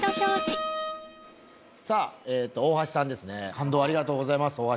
感動をありがとうございます大橋さん。